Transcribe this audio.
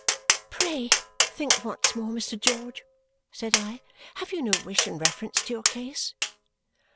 "Pray think, once more, Mr. George," said I. "Have you no wish in reference to your case?"